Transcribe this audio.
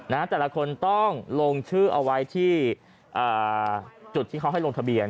แต่ละคนต้องลงชื่อเอาไว้ที่จุดที่เขาให้ลงทะเบียน